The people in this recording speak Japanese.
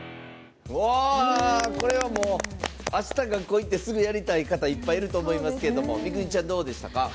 これはもうあした学校行ってすぐやりたい方いっぱいいると思いますけど未来虹ちゃん、どうでしたか？